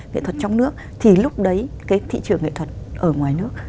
nghệ thuật trong nước thì lúc đấy cái thị trường nghệ thuật ở ngoài nước